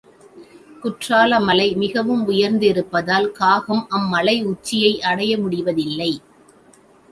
குற்றாலமலை மிகவும் உயர்ந்திருப்பதால், காகம் அம் மலையுச்சியையடைய முடிவதில்லை.